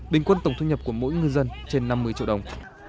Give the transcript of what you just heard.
bình quân tổng thu nhập của mỗi ngư dân trên năm mươi triệu đồng